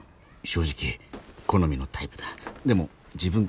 正直好みのタイプだ。